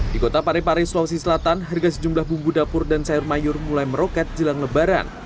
di kota parepare sulawesi selatan harga sejumlah bumbu dapur dan sayur mayur mulai meroket jelang lebaran